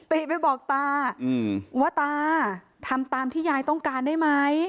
ติไปบอกตาว่าตาทำตามที่ยายต้องการได้ไหม